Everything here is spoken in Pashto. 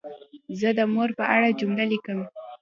زه د مور په اړه جمله لیکم.